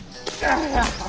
あっ！